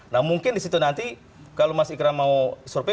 nah mungkin disitu nanti kalau mas ikram mau survei